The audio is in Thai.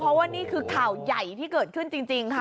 เพราะว่านี่คือข่าวใหญ่ที่เกิดขึ้นจริงค่ะ